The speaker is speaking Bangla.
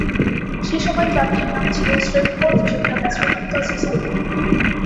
সেই সময় ক্লাবটির নাম ছিল শ্রেভপোর্ট জুনিয়র অ্যাস্ট্রোনমিক্যাল সোসাইটি।